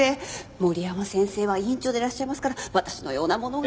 森山先生は院長でいらっしゃいますから私のようなものが。